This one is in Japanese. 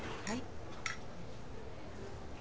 はい。